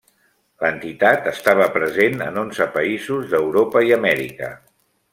L'entitat estava present en onze països d'Europa i Amèrica.